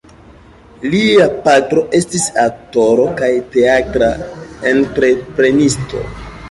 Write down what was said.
Lia patro estis aktoro kaj teatra entreprenisto.